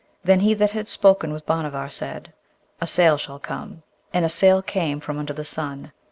Then he that had spoken with Bhanavar said, 'A sail will come,' and a sail came from under the sun.